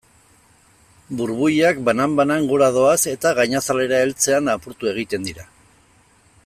Burbuilak banan-banan gora doaz eta gainazalera heltzean apurtu egiten dira.